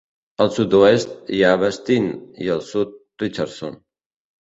I al sud-oest hi ha Vestine, i al sud, Richardson.